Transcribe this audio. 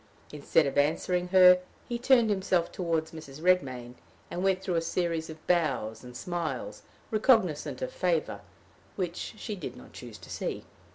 Instead of answering her, he turned himself toward Mrs. Redmain, and went through a series of bows and smiles recognizant of favor, which she did not choose to see.